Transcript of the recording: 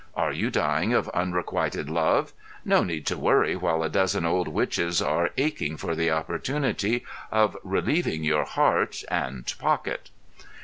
Are you dying of unrequited love? No need to worry while a dozen old witches are aching for the opportunity of relieving your heart (and pocket).